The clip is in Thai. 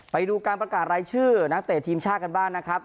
ไปดูการประกาศรายชื่อนักเตะทีมชาติกันบ้างนะครับ